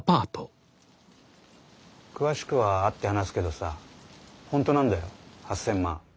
詳しくは会って話すけどさほんとなんだよ８，０００万。